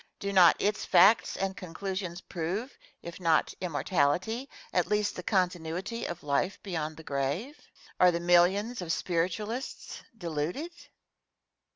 Do not its facts and conclusions prove, if not immortality, at least the continuity of life beyond the grave? Are the millions of Spiritualists deluded?